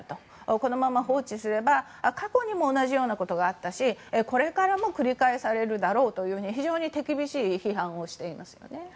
このまま放置すれば過去にも同じようなことがあったしこれからも繰り返されるだろうと非常に手厳しい批判をしていますね。